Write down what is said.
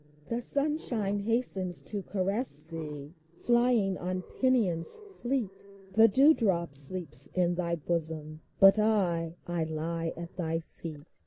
The sunshine hastes to caress thee Flying on pinions fleet ; The dew drop sleeps in thy bosom, But I— I lie at thy feet